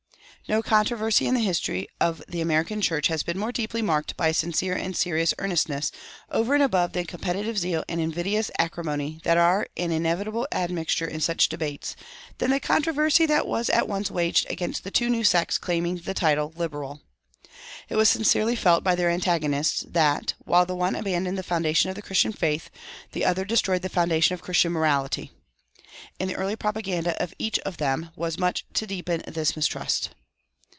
No controversy in the history of the American church has been more deeply marked by a sincere and serious earnestness, over and above the competitive zeal and invidious acrimony that are an inevitable admixture in such debates, than the controversy that was at once waged against the two new sects claiming the title "Liberal." It was sincerely felt by their antagonists that, while the one abandoned the foundation of the Christian faith, the other destroyed the foundation of Christian morality. In the early propaganda of each of them was much to deepen this mistrust.